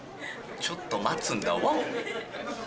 ちょっと待つんだワン！